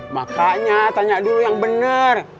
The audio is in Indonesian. makanya tanya dulu yang benar